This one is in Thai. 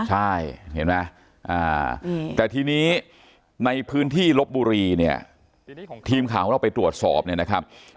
ใช่เห็นไหมแต่ทีนี้ในพื้นที่ลบบุรีเนี่ยทีมข่าวของเราไปตรวจสอบเนี่ยนะครับ